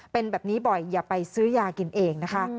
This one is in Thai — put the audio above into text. เป็นแบบนี้บ่อยอย่าไปซื้อยากินเองนะคะ